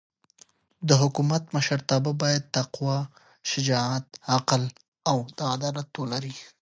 د حکومت مشرتابه باید تقوا، شجاعت، عقل او عدالت ولري.